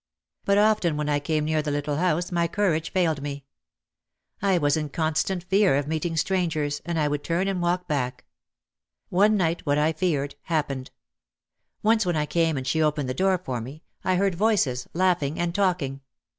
But often when I came near the little house my courage failed me. I was in constant fear of meeting strangers, and I would turn and walk back. One night what I feared happened. Once when I came and she opened the door for me, I OUT OF THE SHADOW 299 heard voices, laughing and talking.